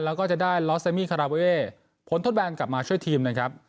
แล้วก็จะได้ลอสเมมี่คาราเว่ผลทดแบนกลับมาช่วยทีมนะครับ